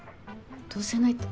どうせ無いって？